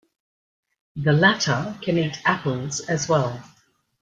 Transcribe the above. The latter can eat apples as well.